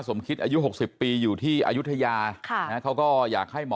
สมคิดอายุ๖๐ปีอยู่ที่อายุทยาเขาก็อยากให้หมอ